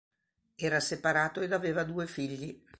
Era separato ed aveva due figli.